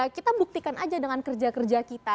kita buktikan aja dengan kerja kerja kita